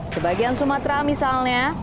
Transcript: sebagian sumatera misalnya